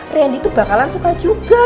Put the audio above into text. randy tuh bakalan suka juga